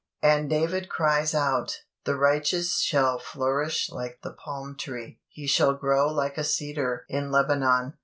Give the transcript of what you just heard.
And David cries out, "The righteous shall flourish like the palm tree: he shall grow like a cedar in Lebanon.